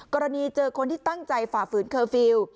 กรณีเจอคนที่ตั้งใจฝ่าฝืนเคอร์ฟิลล์